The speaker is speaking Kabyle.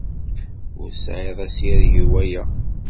Ur tesɛiḍ asireg i waya.